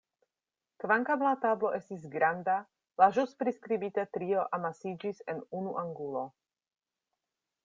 Kvankam la tablo estis granda, la ĵus priskribita trio amasiĝis en unu angulo.